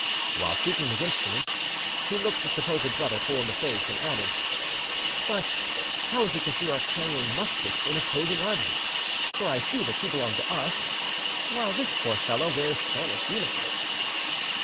While seeking his instruments, he looked the supposed brother full in the face, and added— "But how is it that you are carrying muskets in opposing armies, for I see that you belong to us, while this poor fellow wears Spanish uniform?"